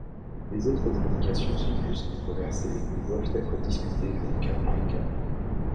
Les autres indications sont plus controversées et doivent être discutées au cas par cas.